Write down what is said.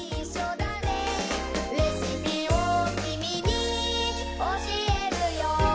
「レシピをキミにおしえるよ」